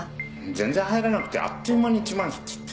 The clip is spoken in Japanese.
全然入らなくてあっという間に１万すっちった。